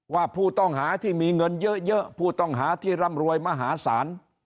ว่าผู้ต้องหาที่มีเงินเยอะผู้ต้องหาที่ร่ำรวยมหาศาล